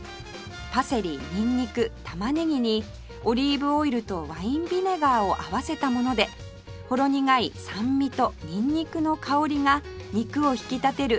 パセリにんにく玉ねぎにオリーブオイルとワインビネガーを合わせたものでほろ苦い酸味とにんにくの香りが肉を引き立てる